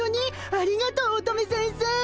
ありがとう乙女先生！